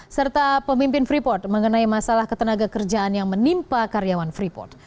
serta pemimpin freeport mengenai masalah ketenaga kerjaan yang menimpa karyawan freeport